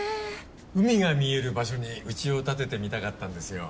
海が見える場所に家を建ててみたかったんですよ。